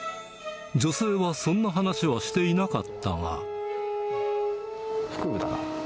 女性はそんな話はしていなかったが。